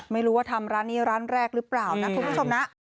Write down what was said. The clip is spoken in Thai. ไม่รู้ว่าทำร้านนี้ร้านแรกหรือเปล่านะคุณผู้ชมนะ